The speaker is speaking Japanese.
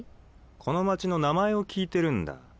この町の名前を聞いてるんだ